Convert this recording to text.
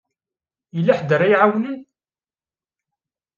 Yella ḥedd ara iɛawnen?